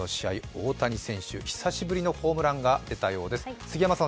大谷選手、久しぶりのホームランが出たようです。